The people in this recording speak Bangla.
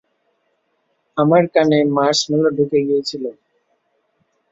আমার কানে মার্শমেলো ঢুকে গিয়েছিল।